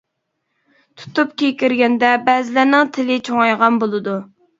تۇتۇپ كېكىرگەندە بەزىلەرنىڭ تىلى چوڭايغان بولىدۇ.